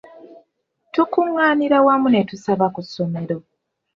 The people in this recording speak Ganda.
Tukungaanira wamu ne tusaba ku ssomero.